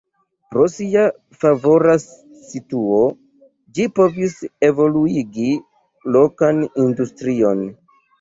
Pro sia favora situo ĝi povis evoluigi lokan industrion.